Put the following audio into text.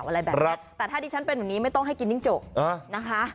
อะไรแบบนี้แต่ถ้าดิฉันเป็นแบบนี้ไม่ต้องให้กินจิ้งจกนะคะ